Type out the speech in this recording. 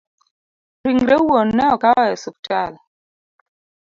Ringre wuon ne okawo e osiptal